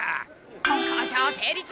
交渉成立！